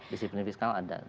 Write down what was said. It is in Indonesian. disiplin fiskal ada